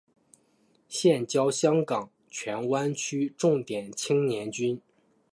现教香港荃湾区重点青年军。